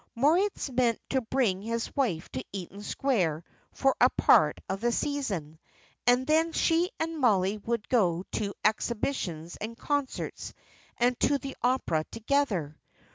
Moritz meant to bring his wife to Eaton Square for a part of the season, and then she and Mollie would go to exhibitions and concerts and to the opera together.